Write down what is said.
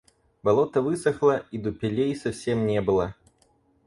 Болото высохло, и дупелей совсем не было.